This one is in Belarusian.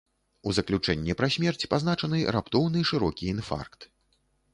У заключэнні пра смерць пазначаны раптоўны шырокі інфаркт.